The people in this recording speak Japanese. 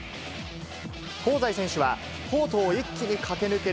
香西選手はコートを一気に駆け抜ける